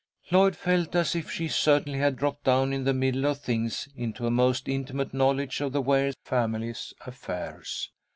Lloyd felt as if she certainly had dropped down in the middle of things, into a most intimate knowledge of the Ware family's affairs.